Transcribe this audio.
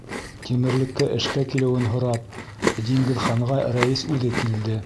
Тимерлеккә эшкә килеүен һорап, Диңгеҙханға рәйес үҙе килде.